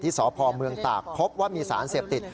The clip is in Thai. ที่สพมตากพบว่ามีสารเสพติด